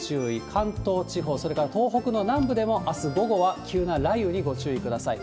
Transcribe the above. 関東地方、それから東北の南部でも、あす午後は急な雷雨にご注意ください。